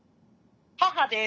母です。